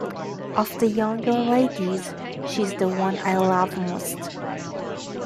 Of the younger ladies, she's the one I love most.